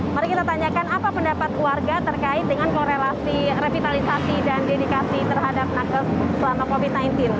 mari kita tanyakan apa pendapat warga terkait dengan korelasi revitalisasi dan dedikasi terhadap nakes selama covid sembilan belas